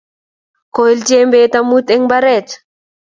Koil jembet amut eng mbaret